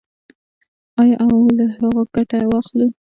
آیا او له هغو ګټه واخلو؟